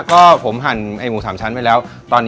ก็ผมหั่นไอ้หมูสามชั้นไปแล้ว